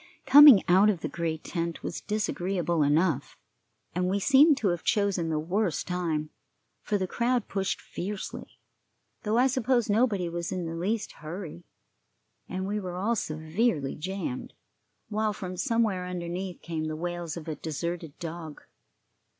Coming out of the great tent was disagreeable enough, and we seemed to have chosen the worst time, for the crowd pushed fiercely, though I suppose nobody was in the least hurry, and we were all severely jammed, while from somewhere underneath came the wails of a deserted dog.